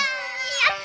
やった！